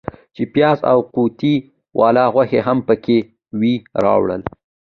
چې پیاز او قوطۍ والا غوښې هم پکې وې راوړل.